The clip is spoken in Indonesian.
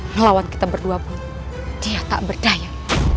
melawan kita berdua pun dia tak berdaya